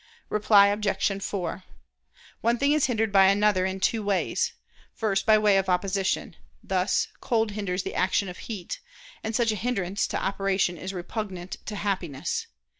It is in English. Reply Obj. 4: One thing is hindered by another in two ways. First, by way of opposition; thus cold hinders the action of heat: and such a hindrance to operation is repugnant to Happiness.